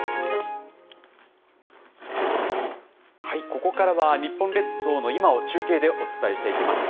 ここからは日本列島の今を中継でお伝えしていきます。